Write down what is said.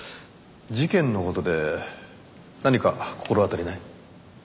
事件の事で何か心当たりない？